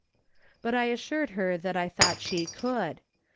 But I assured her that I thought she could.